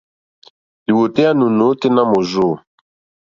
Lìwòtéyá nù nôténá mòrzô.